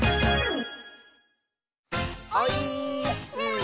オイーッス！